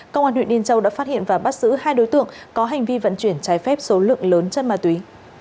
công an huyện yên châu đã phát hiện và bắt giữ hai đối tượng có hành vi vận chuyển trái phép số lượng lớn chất ma túy